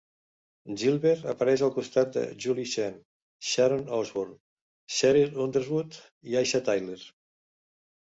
Gilbert apareix al costat de Julie Chen, Sharon Osbourne, Sheryl Underwood i Aisha Tyler.